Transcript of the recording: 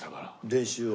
練習を？